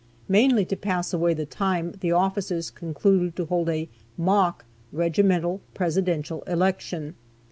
Mainly to pass away the time, the officers concluded to hold a "mock" regimental presidential election.